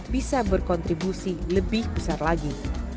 bisa berkontribusi lebih besar lagi